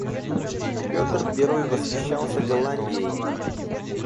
Пётр Первый восхищался Голландией.